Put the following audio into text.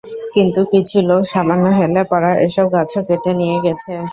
কিন্তু কিছু লোক সামান্য হেলে পড়া এসব গাছও কেটে নিয়ে গেছে।